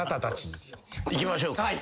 いきましょうか。